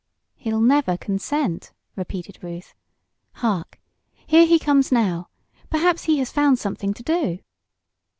"He'll never consent," repeated Ruth. "Hark! Here he comes now. Perhaps he has found something to do."